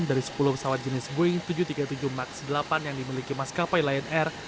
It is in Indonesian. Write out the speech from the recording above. dari sepuluh pesawat jenis boeing tujuh ratus tiga puluh tujuh max delapan yang dimiliki maskapai lion air